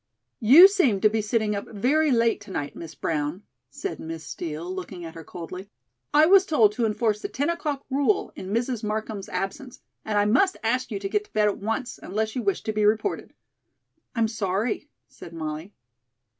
"You seem to be sitting up very late to night, Miss Brown," said Miss Steel, looking at her coldly. "I was told to enforce the ten o'clock rule in Mrs. Markham's absence, and I must ask you to get to bed at once, unless you wish to be reported." "I'm sorry," said Molly.